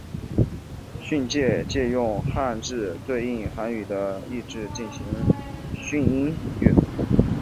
训借借用汉字对应于韩语的意字进行训音阅读。